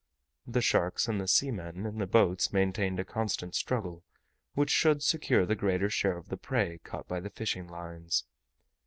The sharks and the seamen in the boats maintained a constant struggle which should secure the greater share of the prey caught by the fishing lines.